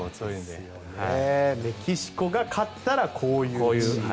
メキシコが勝ったらこういう。